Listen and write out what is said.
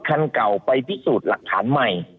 และพิสูจน์หลักฐานใหม่